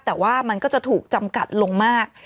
แต่ว่ามันก็จะถูกจำกัดลงมาก